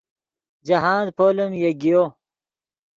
جاہند پولیم یگیو